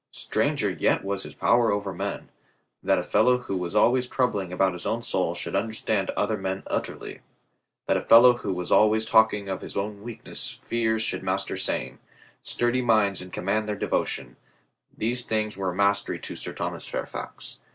Stranger yet was his power over men. That a fellow who was always troubling about his own soul should understand other men utterly; that a fellow who was always 3o8 COLONEL GREATHEART talking of his own weak fears should master sane, sturdy minds and command their devotion; these things were a mystery to Sir Thomas Fairfax.